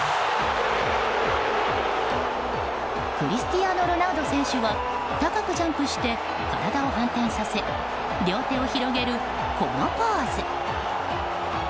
クリスティアーノ・ロナウド選手は高くジャンプして体を反転させ両手を広げる、このポーズ。